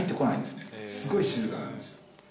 すごい静かなんですよ。